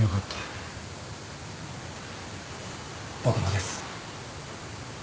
僕もです。